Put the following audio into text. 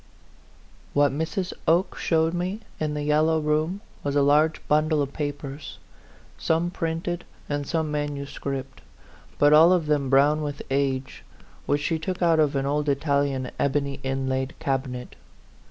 WHAT Mrs. Oke showed me in the yellow room was a large bundle of papers, some printed and some manuscript, but all of them brown with age, which she took out of an old Italian ebony inlaid cabinet.